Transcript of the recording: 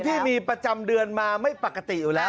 พี่มีประจำเดือนมาไม่ปกติอยู่แล้ว